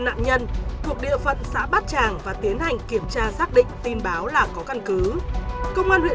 nạn nhân thuộc địa phận xã bát tràng và tiến hành kiểm tra xác định tin báo là có căn cứ công an huyện